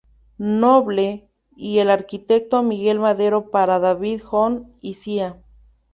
Noble y el arquitecto Miguel Madero para "David Hogg y Cía.